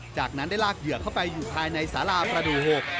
จากนั้นได้ลากเหยื่อเข้าไปอยู่ภายในสาราประดูก๖